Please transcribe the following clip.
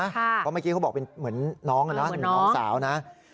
เพราะเมื่อกี้เขาบอกเป็นเหมือนน้องนะเหมือนน้องสาวนะ